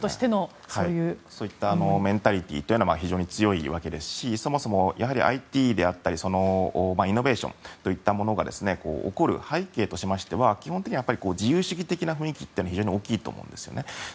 そういったメンタリティーというのは非常に強いわけですしそもそもＩＴであったりイノベーションといったものが起こる背景としましては基本的には自由主義的な雰囲気が非常に大きいと思うんですよね。